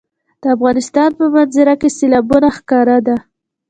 د افغانستان په منظره کې سیلابونه ښکاره ده.